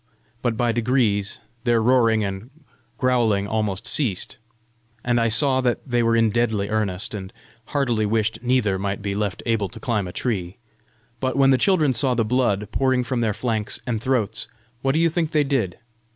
But by degrees their roaring and growling almost ceased, and I saw that they were in deadly earnest, and heartily wished neither might be left able to climb a tree. But when the children saw the blood pouring from their flanks and throats, what do you think they did?